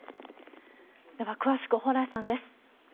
では、詳しく、蓬莱さんです。